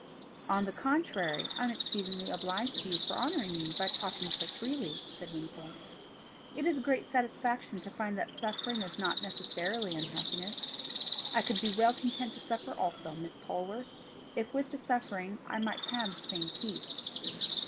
"On the contrary, I am exceedingly obliged to you for honouring me by talking so freely," said Wingfold. "It is a great satisfaction to find that suffering is not necessarily unhappiness. I could be well content to suffer also, Miss Polwarth, if with the suffering I might have the same peace."